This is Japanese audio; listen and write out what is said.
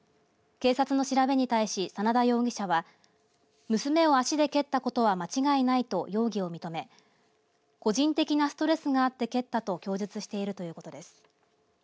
警察の調べに対し眞田容疑者は娘を足で蹴ったことは間違いないと容疑を認め個人的なストレスがあって蹴ったと供述しているということです。